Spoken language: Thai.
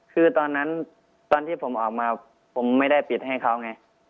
คือตอนนั้นตอนที่ผมออกมาผมไม่ได้ปิดให้เขาไง